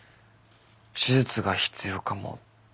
手術が必要かもって。